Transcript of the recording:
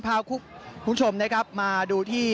พาคุณผู้ชมมาดูที่